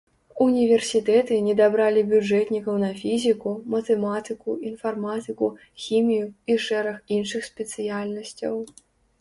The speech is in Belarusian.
Універсітэты недабралі бюджэтнікаў на фізіку, матэматыку, інфарматыку, хімію і шэраг іншых спецыяльнасцяў.